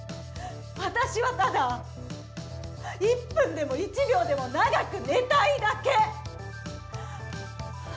私は、ただ１分でも１秒でも長く寝たいだけ。